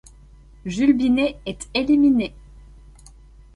Jules Binet est éliminé.